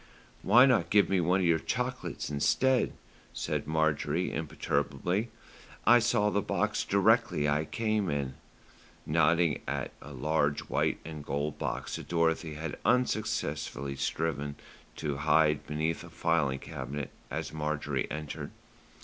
"Why not give me one of the chocolates instead," said Marjorie imperturbably. "I saw the box directly I came in," nodding at a large white and gold box that Dorothy had unsuccessfully striven to hide beneath a filing cabinet as Marjorie entered.